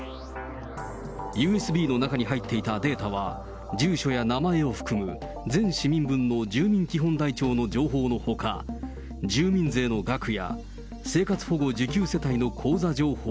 ＵＳＢの中に入っていたデータは住所や名前を含む全市民分の住民基本台帳の情報のほか、住民税の額や生活保護受給世帯の口座情報